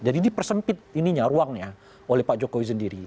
jadi dipersempit ininya ruangnya oleh pak jokowi sendiri